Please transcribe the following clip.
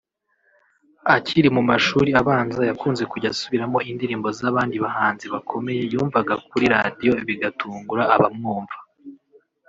Akiri mu mashuri abanza yakunze kujya asubiramo indirimbo z’abandi bahanzi bakomeye yumvaga kuri Radiyo bigatungura abamwumva